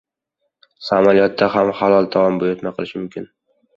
Samolyotda ham halol taom buyurtma qilish mumkin...